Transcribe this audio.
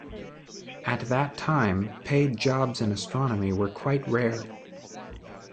At that time, paid jobs in astronomy were quite rare.